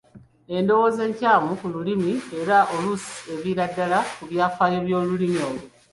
Endowooza enkyamu ku lulimi era oluusi eviira ddala ku byafaayo by'olulimi olwo.